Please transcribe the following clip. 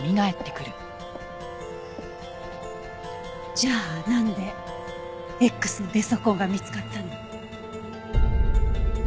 じゃあなんでＸのゲソ痕が見つかったの？